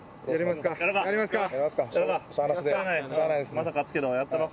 また勝つけどやったろう。